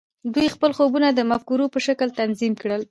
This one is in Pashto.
دوی خپل خوبونه د مفکورو په شکل تنظیم کړل